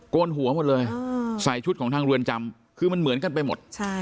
นหัวหมดเลยใส่ชุดของทางเรือนจำคือมันเหมือนกันไปหมด